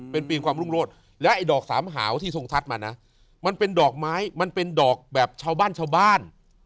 เป็นปีมความรุ่งโรธและไอ้ดอกสามหาวที่ทรงทัศน์มานะมันเป็นดอกไม้มันเป็นดอกแบบชาวบ้านชาวบ้าน